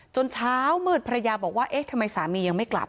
จนเช้ามืดพระยาบอกว่าทำไมสามียังไม่กลับ